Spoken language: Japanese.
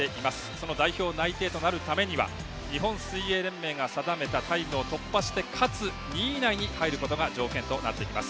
その代表内定となるためには日本水泳連盟が定めたタイムを突破してかつ、２位以内に入ることが条件となってきます。